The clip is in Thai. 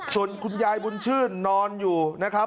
ส่วนคุณยายบุญชื่นนอนอยู่นะครับ